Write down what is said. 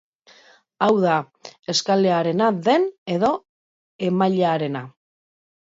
Hau da, eskalearena den edo emailearena.